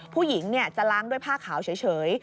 ผู้หญิงจะล้างด้วยผ้าขาวเฉย